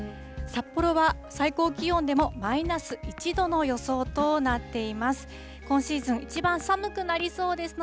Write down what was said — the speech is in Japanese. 札幌は最高気温でもマイナス１度の予想となっています。